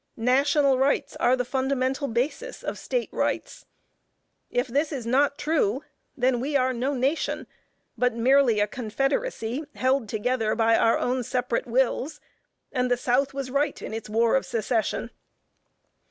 National rights are the fundamental basis of State rights. If this is not true, we are then no nation, but merely a confederacy, held together by our own separate wills, and the South was right in its war of secession.